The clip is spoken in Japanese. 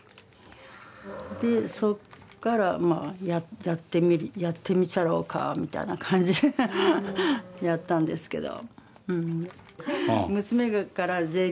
でそこからやってみちゃろうかみたいな感じでやったんですけど。